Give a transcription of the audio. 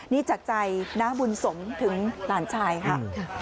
นี่จากใจนะบุญสมถึงหลานชายครับ